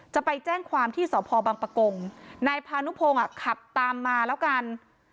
จะไปแจ้งความที่สพบังปะกงนายพานุพงศ์ขับตามมาแล้วกัน